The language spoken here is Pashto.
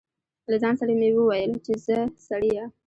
له ځان سره مې و ویل چې ځه سړیه.